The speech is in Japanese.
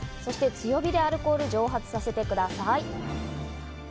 強火でアルコールを蒸発させてください。